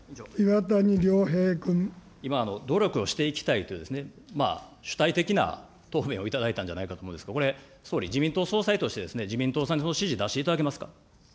今、努力をしていきたいという、主体的な答弁をいただいたんじゃないかと思うんですが、これ、総理、自民党総裁として、自民党さんに指示出していただけますか。